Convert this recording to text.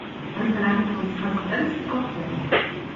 Man verlangt von uns Transparenz und Aufklärung.